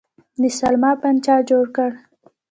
د سلما بند چا جوړ کړ؟